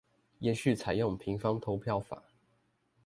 延續採用平方投票法